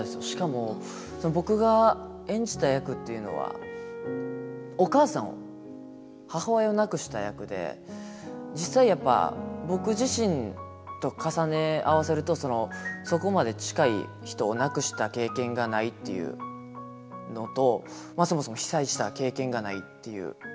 しかも僕が演じた役っていうのはお母さんを母親を亡くした役で実際やっぱ僕自身と重ね合わせるとそこまで近い人を亡くした経験がないっていうのとそもそも被災した経験がないっていう。